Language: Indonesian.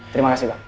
terima kasih pak